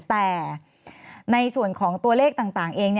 แต่ในส่วนของตัวเลขต่างเอง